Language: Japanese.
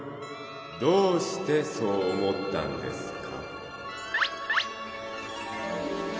どうしてそう思ったんですか？